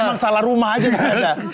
emang salah rumah aja nggak ada